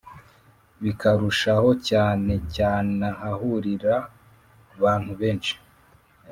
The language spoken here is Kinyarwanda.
bikarushahocyanecyanahahuriraabantubenshi